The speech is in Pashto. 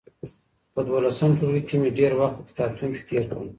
په دولسم ټولګي کي مي ډېر وخت په کتابتون کي تېر کړ.